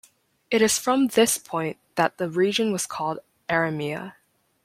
It is from this point that the region was called Aramea.